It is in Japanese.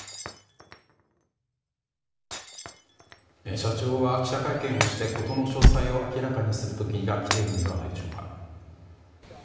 社長は記者会見をして事の詳細を明らかにする時が来ているのではないでしょうか。